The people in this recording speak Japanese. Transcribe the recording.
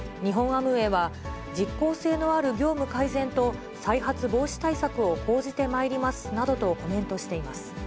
アムウェイは、実効性のある業務改善と、再発防止対策を講じてまいりますなどとコメントしています。